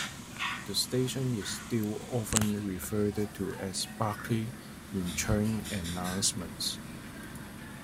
The station is still often referred to as Berkeley in train announcements.